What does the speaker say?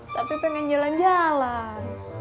tapi pengen jalan jalan